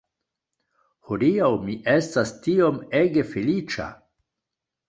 Hodiaŭ mi estas tiom ege feliĉa